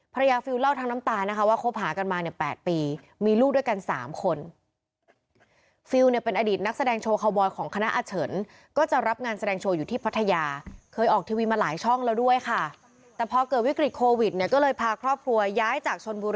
ภรรยาฟิลว์เล่าทั้งน้ำตาว่าครบหากันมา๘ปีมีลูกด้วยกัน๓คน